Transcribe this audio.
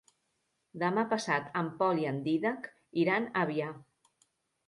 Demà passat en Pol i en Dídac iran a Avià.